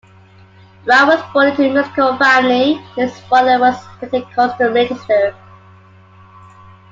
Brown was born into a musical family, and his father was a Pentecostal minister.